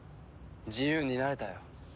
自由になれたよ。